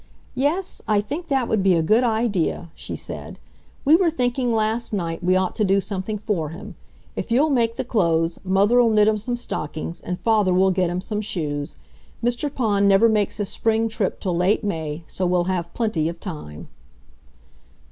"Yes, I think that would be a good idea," she said. "We were thinking last night we ought to do something for him. If you'll make the clothes, Mother'll knit him some stockings and Father will get him some shoes. Mr. Pond never makes his spring trip till late May, so we'll have plenty of time."